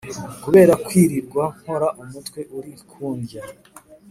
kubera kwirirwa nkora umutwe uri kundya